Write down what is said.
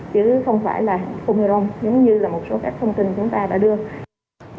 chứ không phải là omicron giống như là một số các thông tin chúng ta đã đưa